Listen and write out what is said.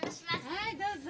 はいどうぞ。